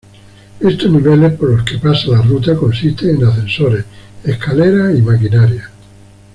Estos niveles por los que pasa la ruta consiste en ascensores, escaleras y maquinaria.